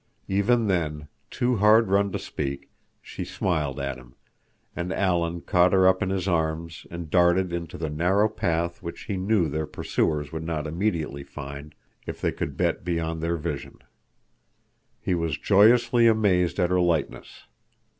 Even then, too hard run to speak, she smiled at him, and Alan caught her up in his arms and darted into the narrow path which he knew their pursuers would not immediately find if they could bet beyond their vision. He was joyously amazed at her lightness.